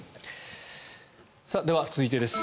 では、続いてです。